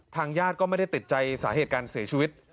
ญาติก็ไม่ได้ติดใจสาเหตุการเสียชีวิต